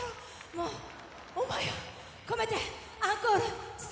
もう思いを込めてアンコール伝えます。